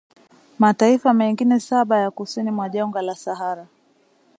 mataifa mengine saba ya kusini mwa jangwa la Sahara